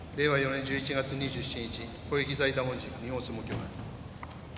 ４年１１月２７日公益財団法人日本相撲協会